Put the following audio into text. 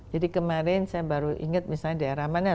jadi kemarin saya baru ingat misalnya daerah mana